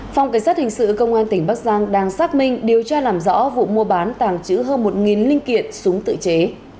phòng cảnh sát hình sự công an tỉnh bắc giang đang xác minh điều tra làm rõ vụ mua bán tàng trữ hơn một linh kiện súng tự chế